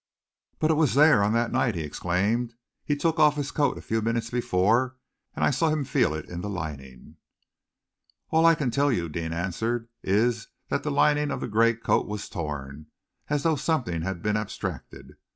"But it was there on that night!" he exclaimed. "He took off his coat a few minutes before, and I saw him feel it in the lining." "All I can tell you," Deane answered, "is that the lining of the gray coat was torn, as though something had been abstracted.